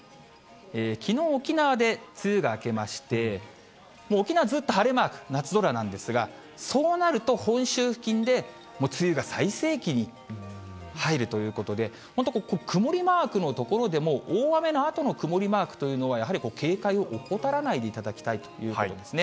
きのう、沖縄で梅雨が明けまして、もう沖縄、ずっと晴れマーク、夏空なんですが、そうなると、本州付近で梅雨が最盛期に入るということで、本当、曇りマークの所でも、大雨のあとの曇りマークというのは、やはり警戒を怠らないでいただきたいということですね。